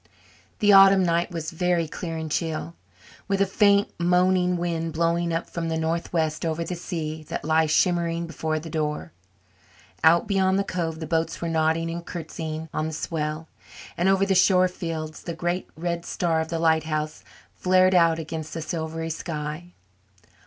The autumn night was very clear and chill, with a faint, moaning wind blowing up from the northwest over the sea that lay shimmering before the door. Out beyond the cove the boats were nodding and curtsying on the swell, and over the shore fields the great red star of the lighthouse flared out against the silvery sky.